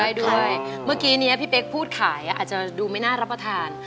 ทำได้ด้วยเมื่อกี้นี้พี่เป๊กพูดขายอ่ะอาจจะดูไม่น่ารับประทาน